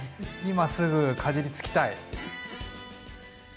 今すぐかじりつきたい！